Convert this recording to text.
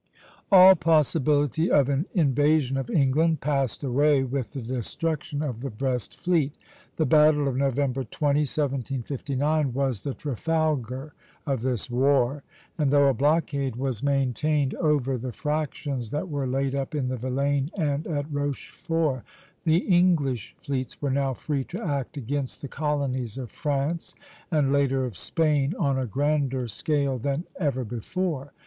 ] All possibility of an invasion of England passed away with the destruction of the Brest fleet. The battle of November 20, 1759, was the Trafalgar of this war; and though a blockade was maintained over the fractions that were laid up in the Vilaine and at Rochefort, the English fleets were now free to act against the colonies of France, and later of Spain, on a grander scale than ever before.